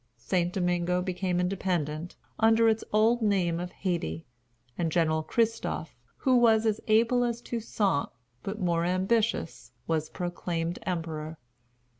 St. Domingo became independent, under its old name of Hayti; and General Christophe, who was as able as Toussaint, but more ambitious, was proclaimed emperor.